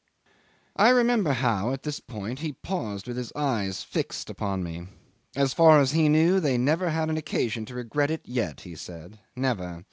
... 'I remember how, at this point, he paused with his eyes fixed upon me. "As far as he knew, they never had an occasion to regret it yet," he said. "Never.